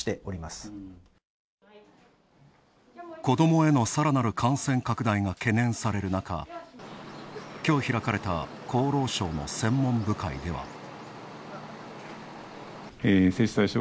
子どもへのさらなる感染拡大が懸念される中きょう開かれた厚労省の専門部会では。